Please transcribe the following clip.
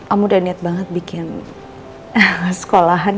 aku udah niat banget bikin sekolahan